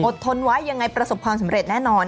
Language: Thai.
ทนไว้ยังไงประสบความสำเร็จแน่นอน